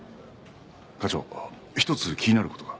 課長一つ気になる事が。